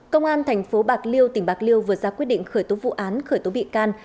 công an thành phố bạc liêu tỉnh bạc liêu vừa ra quyết định khởi tố vụ án khởi tố bị can